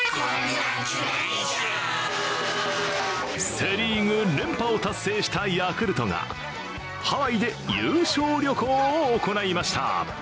セ・リーグ連覇を達成したヤクルトがハワイで優勝旅行を行いました。